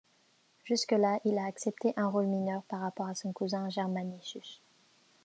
Jusque-là, il a accepté un rôle mineur par rapport à son cousin Germanicus.